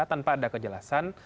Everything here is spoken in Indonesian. tanpa ada kejelasan